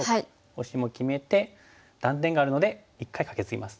オシも決めて断点があるので一回カケツギます。